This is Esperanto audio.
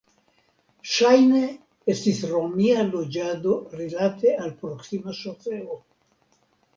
Ŝajne estis romia loĝado rilate al proksima ŝoseo.